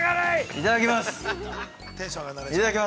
◆いただきます。